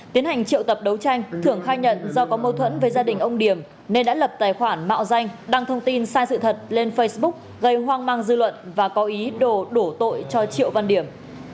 tiến hành triệu tập đấu tranh thưởng khai nhận do có mâu thuẫn với gia đình ông điểm nên đã lập tài khoản mạo danh đăng thông tin sai sự thật lên facebook gây hoang mang dư luận và có ý đồ đổ tội cho triệu văn điểm